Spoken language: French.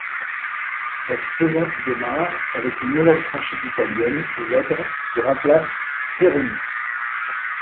Cette saison démarre avec une nouvelle franchise italienne Zebre qui remplace Aironi.